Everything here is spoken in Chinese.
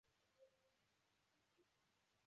玉川站千日前线的铁路车站。